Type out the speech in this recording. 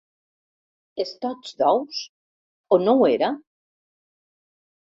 Estoig d'ous, o no ho era?